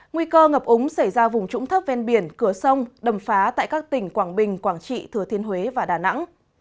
nguy cơ ngập úng xảy ra vùng trũng thấp ven biển cửa sông đầm phá tại các tỉnh quảng bình quảng trị thừa thiên huế và đà nẵng